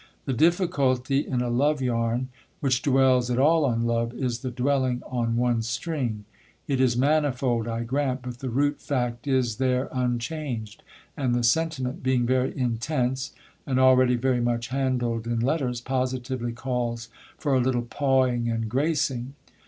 The difficulty in a love yarn, which dwells at all on love, is the dwelling on one string; it is manifold, I grant, but the root fact is there unchanged, and the sentiment being very intense, and already very much handled in letters, positively calls for a little pawing and gracing.